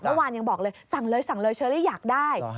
เมื่อวานยังบอกเลยสั่งเลยสั่งเลยเชอรี่อยากได้